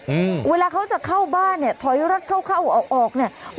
อืมเวลาเขาจะเข้าบ้านเนี่ยถอยรถเข้าเข้าออกออกเนี้ย